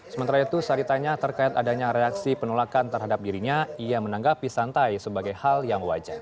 sementara itu saat ditanya terkait adanya reaksi penolakan terhadap dirinya ia menanggapi santai sebagai hal yang wajar